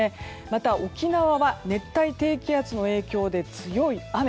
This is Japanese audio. また沖縄は熱帯低気圧の影響で強い雨。